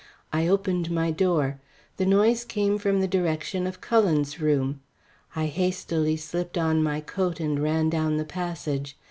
I opened my door. The noise came from the direction of Cullen's room. I hastily slipped on my coat and ran down the passage.